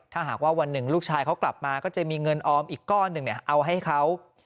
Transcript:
ถ้าหากว่าวันหนึ่งลูกชายเขากลับมาก็จะมีเงินออมอีกก้อนหนึ่งเอาให้เขา